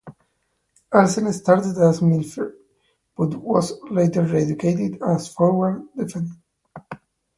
Ahlsen started as a midfielder, but was later re-educated as a forward defender.